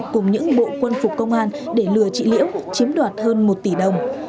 cùng những bộ quân phục công an để lừa chị liễu chiếm đoạt hơn một tỷ đồng